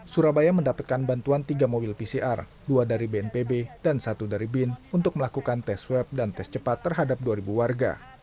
surabaya mendapatkan bantuan tiga mobil pcr dua dari bnpb dan satu dari bin untuk melakukan tes swab dan tes cepat terhadap dua warga